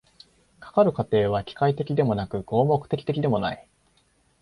かかる過程は機械的でもなく合目的的でもない。